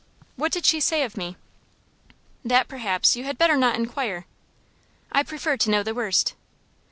"What did she say of me?" "That, perhaps, you had better not inquire." "I prefer to know the worst."